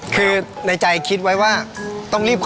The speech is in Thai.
คือในใจคิดไว้ว่าต้องรีบขอ